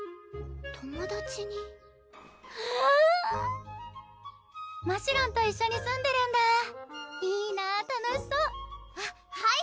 友達にましろんと一緒に住んでるんだいいな楽しそうあっはい！